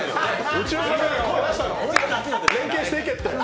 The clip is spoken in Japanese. うちの酒井が声出したろ、連携していけって。